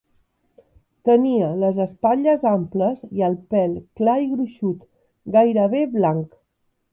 Tenia les espatlles amples i el pèl clar i gruixut, gairebé blanc.